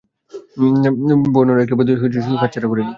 বেরানোর একটা পথ দেখে সেই সুযোগ হাতছাড়া করিনি।